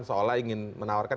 seolah ingin menawarkan